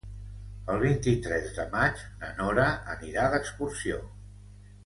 El vint-i-tres de maig na Nora anirà d'excursió.